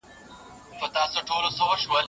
زه دې په پښو کې سپېلنی لوګی کوومه